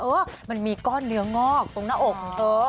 เออมันมีก้อนเนื้องอกตรงหน้าอกของเธอ